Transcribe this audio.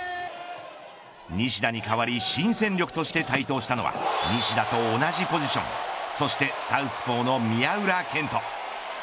西田に代わり新戦力として台頭したのは西田と同じポジションそしてサウスポーの宮浦健人。